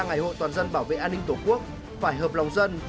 ngày hội toàn dân bảo vệ an ninh tổ quốc phải hợp lòng dân